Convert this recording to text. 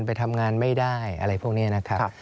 ไปทำงานไม่ได้อะไรพวกนี้นะครับ